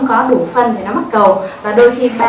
có đủ phân để nó mắc cầu và đôi khi